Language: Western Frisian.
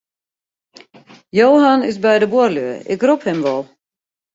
Johan is by de buorlju, ik rop him wol.